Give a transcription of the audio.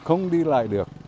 không đi lại được